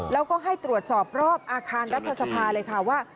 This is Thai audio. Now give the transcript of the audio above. แล้วก็ให้ตรวจสอบรอบอาคารรัฐสภาเลยค่ะว่า